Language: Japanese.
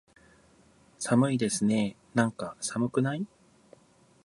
寒いですねーなんか、寒くない？